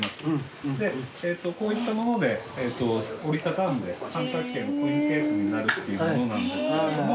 こういったもので折り畳んで三角形のコインケースになるというものなんですけれども。